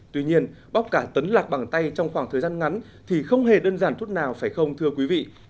tuy nhiên bóc cả tấn lạc bằng tay trong khoảng thời gian ngắn thì không hề đơn giản thuốc nào phải không thưa quý vị